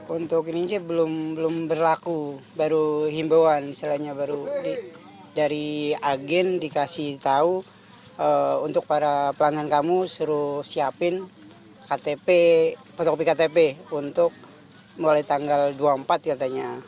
untuk ini belum berlaku baru himbauan selainnya baru dari agen dikasih tahu untuk para pelanggan kamu suruh siapin ktp fotokopi ktp untuk mulai tanggal dua puluh empat katanya